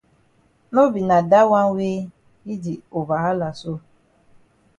No be na dat wan wey yi di over hala so.